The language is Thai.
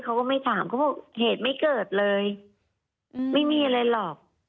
เขาก็ไม่ถามเขาบอกเหตุไม่เกิดเลยไม่มีอะไรหรอก